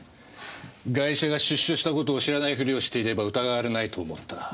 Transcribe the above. ガイシャが出所したことを知らないふりをしていれば疑われないと思った。